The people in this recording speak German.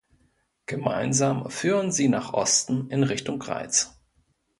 Gemeinsam führen sie nach Osten in Richtung Greiz.